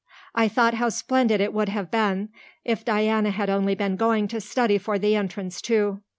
"I thought how splendid it would have been if Diana had only been going to study for the Entrance, too.